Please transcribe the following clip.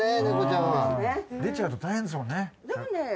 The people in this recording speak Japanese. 猫ちゃんは。出ちゃうと大変ですもんね。